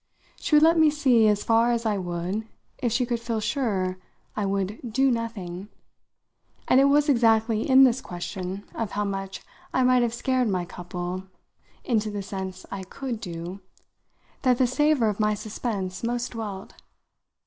She would let me see as far as I would if she could feel sure I would do nothing; and it was exactly in this question of how much I might have scared my couple into the sense I could "do" that the savour of my suspense most dwelt.